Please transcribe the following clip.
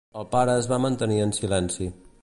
El pare es va mantenir en silenci.